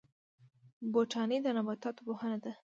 بوټاني د نباتاتو پوهنه ده